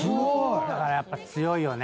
だからやっぱ強いよね。